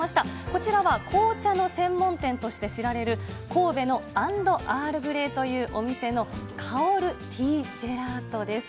こちらは紅茶の専門店として知られる神戸の＆ＥＡＲＬＧＲＡＹというお店の香るティージェラートです。